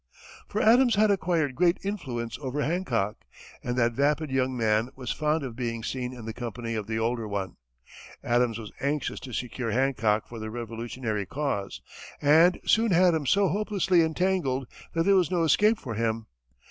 For Adams had acquired great influence over Hancock, and that vapid young man was fond of being seen in the company of the older one. Adams was anxious to secure Hancock for the revolutionary cause, and soon had him so hopelessly entangled that there was no escape for him.